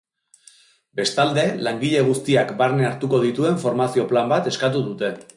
Bestalde, langile guztiak barne hartuko dituen formazio plan bat eskatu dute.